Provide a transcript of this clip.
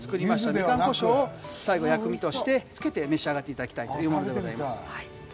みかんこしょうを最後薬味としてつけて召し上がっていただきたいというものでございます。